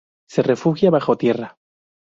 Se refugia bajo tierra.